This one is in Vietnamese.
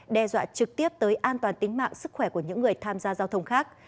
đe dọa trực tiếp tới an toàn tính mạng sức khỏe của những người tham gia giao thông khác